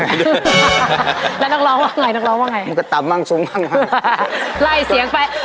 แล้วนักร้องว่าไง